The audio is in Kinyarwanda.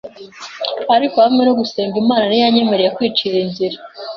ariko hamwe no gusenga Imana ntiyanyemereye kwicira inzira